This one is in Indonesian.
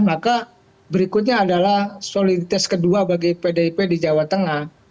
maka berikutnya adalah soliditas kedua bagi pdip di jawa tengah